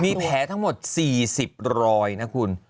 มีแผลทั้งหมด๔๐รอยนะคุณ